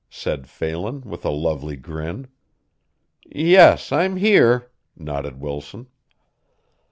said Phelan, with a lovely grin. "Yes, I'm here," nodded Wilson.